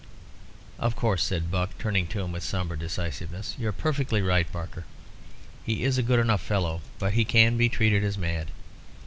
"Of course," said Buck, turning to him with sombre decisiveness. "You're perfectly right, Barker. He is a good enough fellow, but he can be treated as mad.